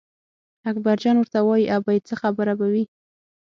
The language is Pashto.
اکبرجان ورته وایي ابۍ څه خبره به وي.